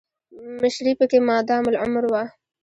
مشري پکې مادام العمر وه.